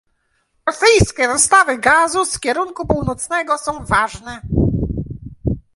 Rosyjskie dostawy gazu z kierunku północnego są ważne